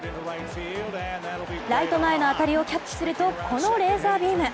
ライト前の当たりをキャッチするとこのレーザービーム！